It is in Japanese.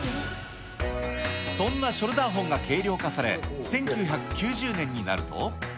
そんなショルダーホンが軽量化され、１９９０年になると。